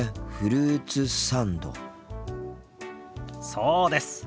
そうです。